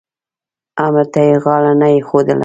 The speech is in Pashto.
امر ته یې غاړه نه ایښودله.